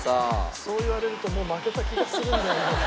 そう言われるともう負けた気がするんだよな。